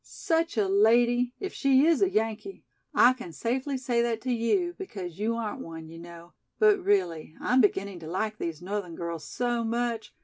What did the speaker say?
Such a lady, if she is a Yankee! I can safely say that to you because you aren't one, you know. But, really, I'm beginning to like these Northern girls so much.